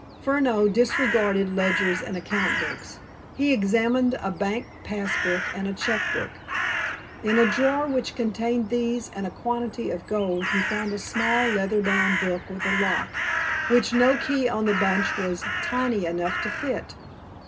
Furneaux disregarded ledgers and account books. He examined a bank pass book and a check book. In a drawer which contained these and a quantity of gold he found a small, leather bound book with a lock, which no key on the bunch was tiny enough to fit.